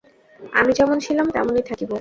আমি যেমন ছিলাম তেমনি থাকিব।